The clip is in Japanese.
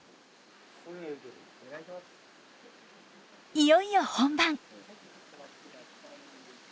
いよいよ本番。